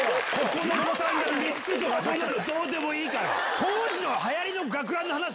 ここのボタンが３つとかそんなのどうでもいいから！